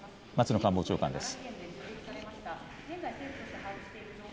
松野官房長官です。